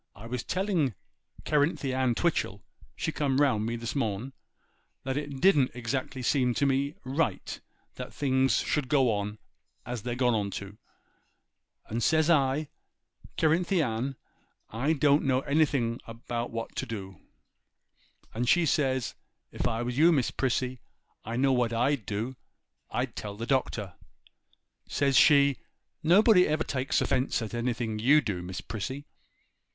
I was telling Cerinthy Ann Twitchel, she come round me this noon, that it didn't exactly seem to me right that things should go on as they're gone to; and says I, "Cerinthy Ann, I don't know anything what to do." And says she, "If I was you, Miss Prissy, I know what I'd do; I'd tell the Doctor." Says she, "Nobody ever takes offence at anything you do, Miss Prissy."